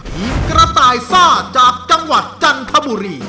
ทีมกระต่ายซ่าจากจังหวัดจันทบุรี